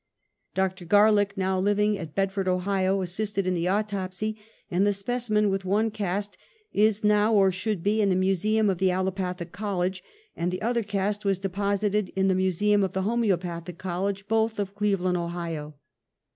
Dr. Garlick, now living at Bedford, Ohio, assisted in the autopsy, and the specimen with one cast is now or should be in the museum of the Allopathic College, and the other cast was deposited in the museum of the Homeo pathic College both of Cleveland, Ohio.